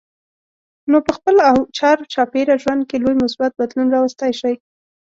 نو په خپل او چار چاپېره ژوند کې لوی مثبت بدلون راوستی شئ.